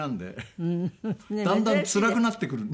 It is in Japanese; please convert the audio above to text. だんだんつらくなってくる。